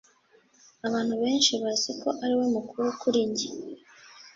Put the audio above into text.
Abantu benshi baziko ariwe mukuru kuri njye